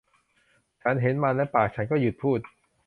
ฉันเห็นมันและปากฉันก็หยุดพูด